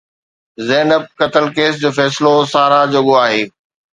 زينب قتل ڪيس جو فيصلو ساراهه جوڳو آهي